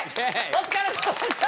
お疲れさまでした！